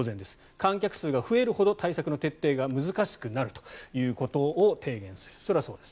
観客数が増えるほど対策の徹底が難しくなるということを提言する、それはそうです。